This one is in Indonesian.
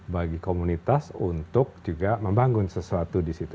bagi komunitas untuk juga membangun sesuatu di situ